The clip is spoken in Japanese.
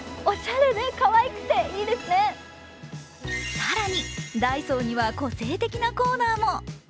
更にダイソーには個性的なコーナーも。